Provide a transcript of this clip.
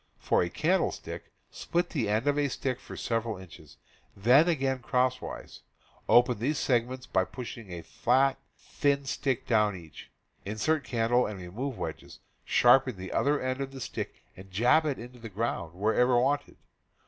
For a candlestick, split the end of a stick for several inches, then again crosswise; open these segments by pushing a flat, thin stick down each; insert candle, and remove wedges; sharpen the other end of the stick, and jab it into the ground wherever wanted.